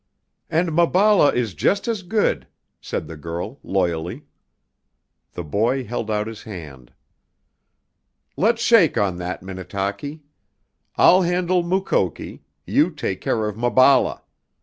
"And Maballa is just as good," said the girl loyally. The boy held out his hand. "Let's shake on that, Minnetaki! I'll handle Mukoki, you take care of Maballa.